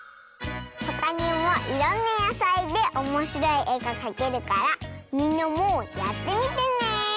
ほかにもいろんなやさいでおもしろいえがかけるからみんなもやってみてね！